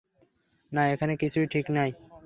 না, এখানে কিছুই ঠিক নাই।